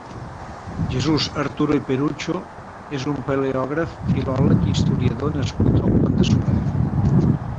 Jesús Alturo i Perucho és un paleògraf, filòleg i historiador nascut al Pont de Suert.